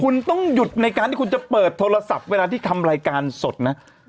คุณต้องหยุดในการที่คุณจะเปิดโทรศัพท์เวลาที่ทำรายการสดนะ